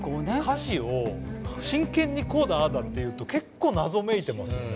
歌詞を真剣にこうだああだっていうと結構謎めいてますよね。